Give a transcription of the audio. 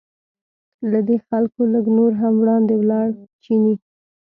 له دې خلکو لږ نور هم وړاندې ولاړ چیني.